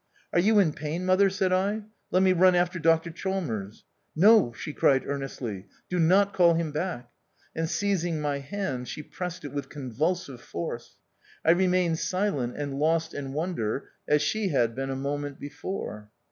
"Are you in pain, mother ?" said I ; "let me run after Dr Chalmers ?"" No," she cried earnestly, " do not call him back ;" and seizing my hand she pressed it with con vulsive force. I remained silent and lost 66 THE OUTCAST. in wonder, as she had been a moment before.